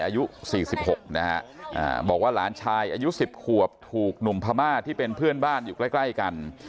อายุ๔๖นะฮะบอกว่าหลานชายอายุ๑๐ขวบถูกหนุ่มพม่าที่เป็นเพื่อนบ้านอยู่ใกล้กัน